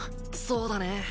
そうだね。